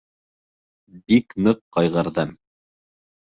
Бик ныҡ ҡайғырҙым.